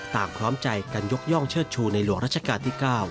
พร้อมใจกันยกย่องเชิดชูในหลวงรัชกาลที่๙